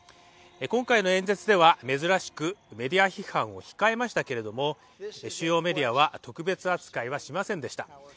今回の演説では、珍しくメディア批判を控えましたけれども、主要メディアは特別扱いはしませんでした。